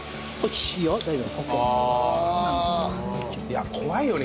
いや怖いよね。